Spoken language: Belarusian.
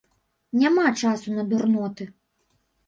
Няма часу на дурноты.